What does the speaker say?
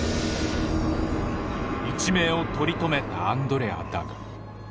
一命を取り留めたアンドレアだが。